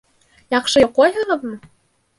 Яҡшы йоҡлайһығыҙмы?